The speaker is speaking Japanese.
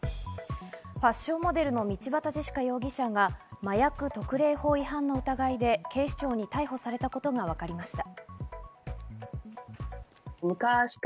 ファッションモデルの道端ジェシカ容疑者が、麻薬特例法違反の疑いで警視庁に逮捕されたことがわかりました。